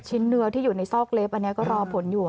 เนื้อที่อยู่ในซอกเล็บอันนี้ก็รอผลอยู่